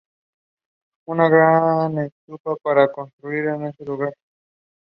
Soon the Gusman family moved to Moscow.